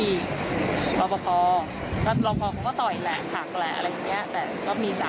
ไอ้คนที่หินก็คือเหมือนว่ารอพอเขาก็ไปต่อยอะไรอย่างนี้แล้วก็ดูเหมือนว่าวิ่งไปเอามีดมา